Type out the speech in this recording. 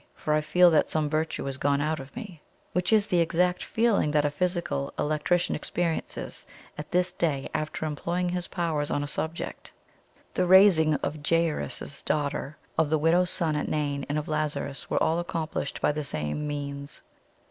FOR I FEEL THAT SOME VIRTUE IS GONE OUT OF ME' which is the exact feeling that a physical electrician experiences at this day after employing his powers on a subject. The raising of Jairus's daughter, of the widow's son at Nain, and of Lazarus, were all accomplished by the same means.